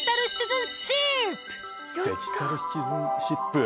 デジタルシチズンシップ？